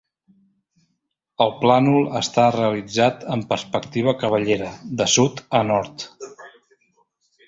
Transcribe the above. El plànol està realitzat en perspectiva cavallera, de sud a nord.